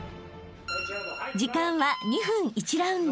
［時間は２分１ラウンド］